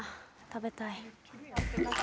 食べたい。